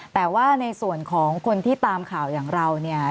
แต่ว่าในส่วนของคนที่ตามข่าวอย่างเราเนี่ย